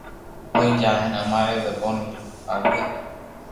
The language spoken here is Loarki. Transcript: ھوئي جائين ھين اماري زبون آگي